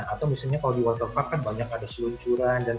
atau misalnya kalau di waterpark kan banyak ada seluncuran